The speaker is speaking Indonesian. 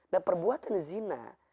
nah perbuatan zina